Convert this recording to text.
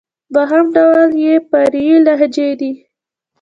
دوهم ډول ئې فرعي لهجې دئ.